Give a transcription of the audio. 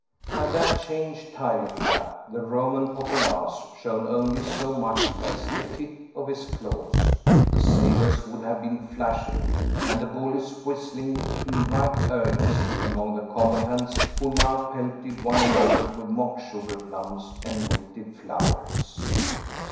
Had that chained tiger cat, the Roman populace, shown only so much as the tip of his claws, the sabres would have been flashing and the bullets whistling, in right earnest, among the combatants who now pelted one another with mock sugar plums and wilted flowers.